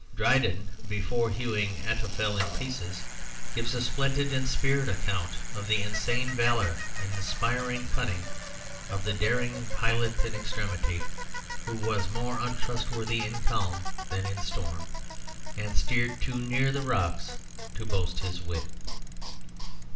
Dryden, before hewing Ahitophel in pieces, gives a splendid and spirited account of the insane valour and inspired cunning of the "daring pilot in extremity," who was more untrustworthy in calm than in storm, and "Steered too near the rocks to boast his wit."